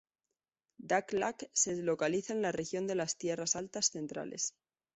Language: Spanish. Dak Lak se localiza en la región de las Tierras Altas Centrales.